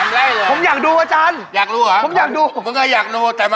อะไรเนี่ยคุณดังนั้นแกล้งเลย